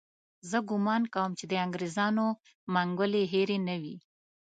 زه ګومان کوم چې د انګریزانو منګولې هېرې نه وي.